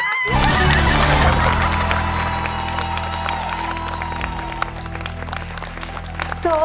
ถูกถูกถูก